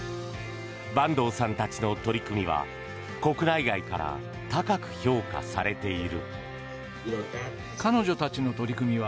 板東さんたちの取り組みは国内外から高く評価されている。